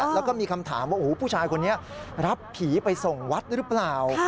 แล้วก็มีคำถามว่าโอ้โหผู้ชายคนนี้รับผีไปส่งวัดหรือเปล่า